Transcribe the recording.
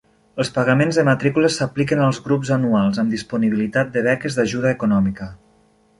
Els pagaments de matrícules s'apliquen als grups anuals, amb disponibilitat de beques d'ajuda econòmica.